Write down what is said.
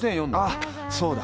ああそうだ。